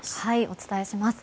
お伝えします。